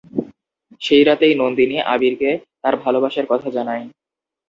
সেই রাতেই "নন্দিনী" "আবির"কে তার ভালবাসার কথা জানায়।